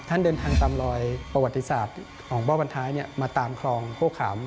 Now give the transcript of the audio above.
เดินทางตามรอยประวัติศาสตร์ของบ้อวันท้ายมาตามคลองโฆขาม